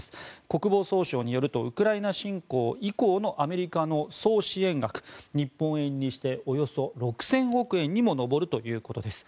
国防総省によるとウクライナ侵攻以降のアメリカの総支援額は日本円にしておよそ６０００億円にも上るということです。